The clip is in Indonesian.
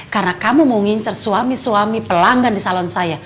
karena kamu mau ngincar suami suami pelanggan di salon saya